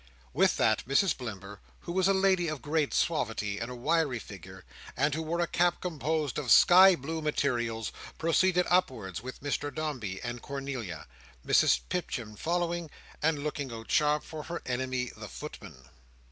With that, Mrs Blimber, who was a lady of great suavity, and a wiry figure, and who wore a cap composed of sky blue materials, proceeded upstairs with Mr Dombey and Cornelia; Mrs Pipchin following, and looking out sharp for her enemy the footman.